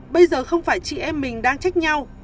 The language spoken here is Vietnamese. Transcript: bây giờ không phải chị em mình đang trách nhau